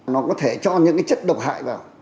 nó có thể cho những chất độc hại vào